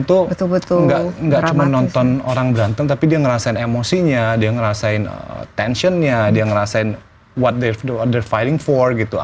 jadi penonton itu enggak cuma nonton orang berantem tapi dia ngerasain emosinya dia ngerasain tensionnya dia ngerasain what they're fighting for gitu